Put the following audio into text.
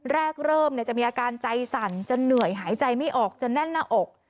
เริ่มจะมีอาการใจสั่นจะเหนื่อยหายใจไม่ออกจะแน่นหน้าอก